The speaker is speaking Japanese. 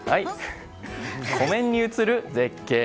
湖面に映る絶景。